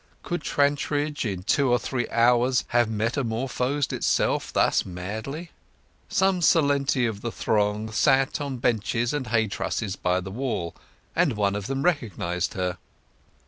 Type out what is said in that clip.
Could Trantridge in two or three short hours have metamorphosed itself thus madly! Some Sileni of the throng sat on benches and hay trusses by the wall; and one of them recognized her.